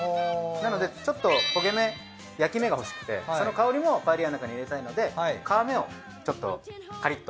なのでちょっと焦げ目焼き目がほしくてその香りもパエリアの中に入れたいので皮目をちょっとカリッと。